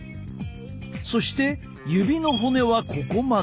そして指の骨はここまで。